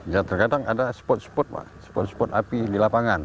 ya terkadang ada spot spot pak spot spot api di lapangan